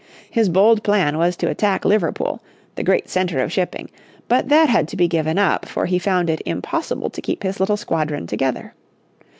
His bold plan was to attack Liverpool, the great centre of shipping, but that had to be given up, for he found it impossible to keep his little squadron together.